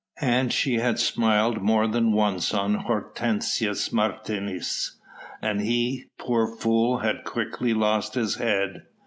And she had smiled more than once on Hortensius Martius, and he, poor fool! had quickly lost his head.